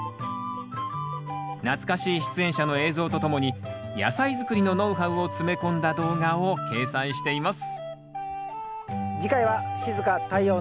懐かしい出演者の映像とともに野菜づくりのノウハウを詰め込んだ動画を掲載しています